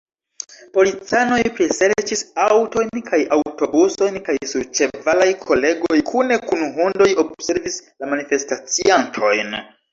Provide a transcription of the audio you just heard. Policanoj priserĉis aŭtojn kaj aŭtobusojn, kaj surĉevalaj kolegoj, kune kun hundoj, observis la manifestaciantojn.